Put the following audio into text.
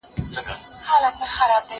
یو ګړی وروسته را والوتل بادونه